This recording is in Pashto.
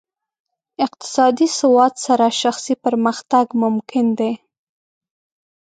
اقتصادي سواد سره شخصي پرمختګ ممکن دی.